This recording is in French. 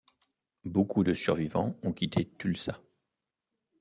Beaucoup de survivants ont quitté Tulsa.